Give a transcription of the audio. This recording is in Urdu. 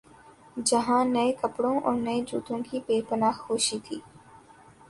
جہاں نئے کپڑوں اورنئے جوتوں کی بے پنا ہ خوشی تھی۔